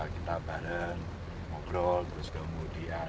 kita bareng ngobrol terus kemudian